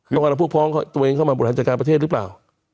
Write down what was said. ต้องการเอาพวกพ้องตัวเองเข้ามาบริหารจัดการประเทศหรือเปล่า